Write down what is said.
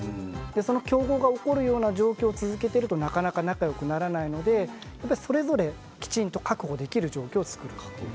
その競合が起こるような状況を続けているとなかなか仲よくならないのでそれぞれきちんと確保できる状況を作ること。